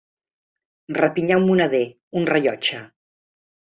Rapinyar un moneder, un rellotge.